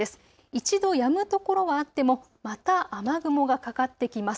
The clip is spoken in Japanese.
一度やむところはあってもまた雨雲がかかってきます。